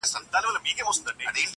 o وينه په وينو نه پاکېږي!